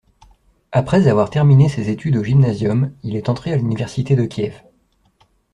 Après avoir terminé ses études au gymnasium, il est entré à l'Université de Kiev.